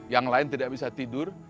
yang lain tidak bisa tidur